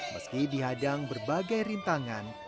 meski dihadang berbagai rintangan